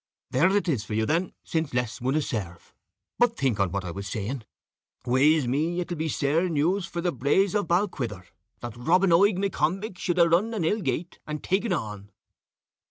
"There it is for you then, since less wunna serve. But think on what I was saying. Waes me, it will be sair news in the braes of Balquidder, that Robin Oig M'Combich should have run an ill gate, and ta'en on."